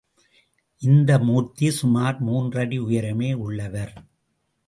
இந்த மூர்த்தி சுமார் மூன்றடி உயரமே உள்ளவர்.